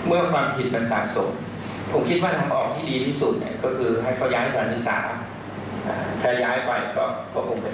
ซึ่งพอเล่าให้ฟังแล้วผมก็ไม่ได้กำหนี่นะ